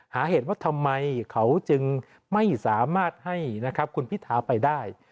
เหตุว่าทำไมเขาจึงไม่สามารถให้นะครับคุณพิธาไปได้